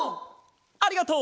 ありがとう！